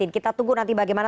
kita tunggu nanti bagaimana